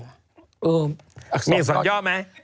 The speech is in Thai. เอออักษอบค์ก่อนมีสัญญาณไหม